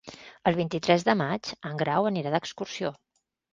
El vint-i-tres de maig en Grau anirà d'excursió.